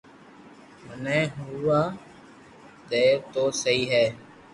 مني ھووا دئي تو سھي ھي